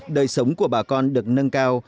đời sống của bà con được nâng cao